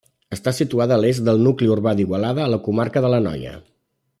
Està situada a l'est del nucli urbà d'Igualada a la comarca de l'Anoia.